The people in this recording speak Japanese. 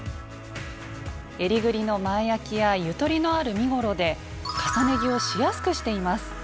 えりぐりの前あきやゆとりのある身ごろで重ね着をしやすくしています。